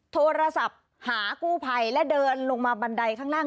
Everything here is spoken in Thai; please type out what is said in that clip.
โทรศัพท์หากู้ภัยและเดินลงมาบันไดข้างล่าง